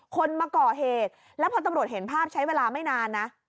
คนมาก่อเหตุแล้วพอตำรวจเห็นภาพใช้เวลาไม่นานนะ